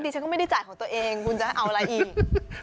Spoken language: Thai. ฉันก็ไม่ได้จ่ายของตัวเองคุณจะให้เอาอะไรอีก